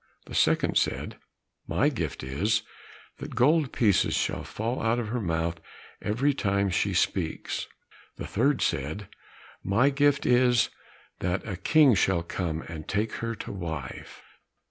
The second said, "My gift is, that gold pieces shall fall out of her mouth every time she speaks." The third said, "My gift is, that a king shall come and take her to wife."